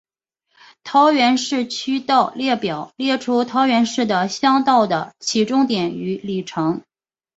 桃园市区道列表列出桃园市的乡道的起终点与里程。